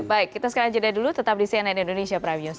baik kita sekarang jeda dulu tetap di cnn indonesia prime news